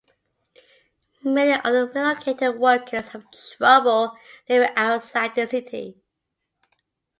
Many of the relocated workers have trouble living outside the city.